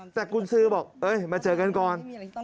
แต่กุญสือบอกมาเจอกันก่อน